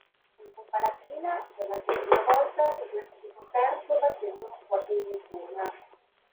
In Coppa Latina, per la seconda volta, si classificò terzo battendo lo Sporting Lisbona.